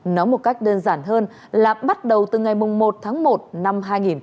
nói một cách đơn giản hơn là bắt đầu từ ngày một tháng một năm hai nghìn hai mươi